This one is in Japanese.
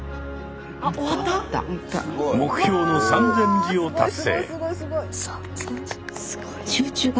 目標の３，０００字を達成。